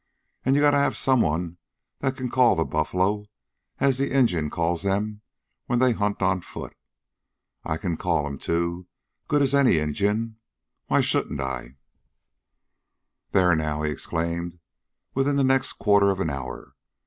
"An' ye got to have someone that can call the buffler, as the Injuns calls that when they hunt on foot. I kin call 'em, too, good as ary Injun. Why shouldn't I? "Thar now!" he exclaimed within the next quarter of an hour.